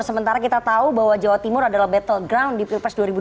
sementara kita tahu bahwa jawa timur adalah battle ground di pilpres dua ribu dua puluh